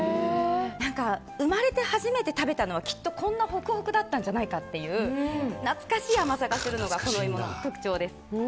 生まれて初めて食べたのはきっとこんなホクホクなんじゃないかっていう懐かしい甘さがするのがこの芋の特徴です。